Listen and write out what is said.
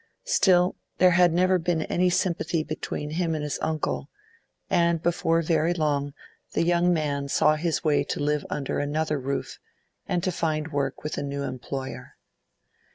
Still, there had never been any sympathy between him and his uncle, and before very long the young man saw his way to live under another roof and find work with a new employer.